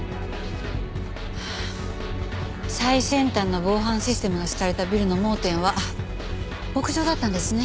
最先端の防犯システムが敷かれたビルの盲点は屋上だったんですね。